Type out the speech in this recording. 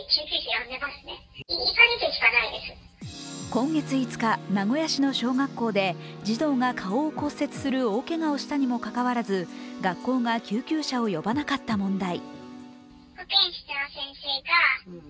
今月５日、名古屋市の小学校で児童が顔を骨折する大けがをしたにもかかわらず学校が救急車を呼ばなかった問題。